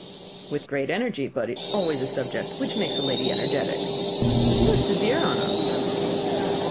"With great energy; but it is a subject which always makes a lady energetic." "You are severe on us."